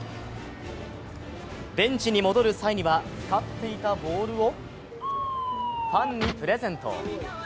ベンチに戻る際には、使っていたボールをファンにプレゼント。